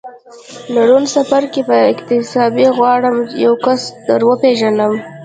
له روان څپرکي په اقتباس غواړم یو کس در وپېژنم